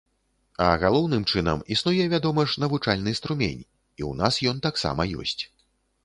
А галоўным чынам, існуе, вядома ж, навучальны струмень і ў нас ён таксама ёсць.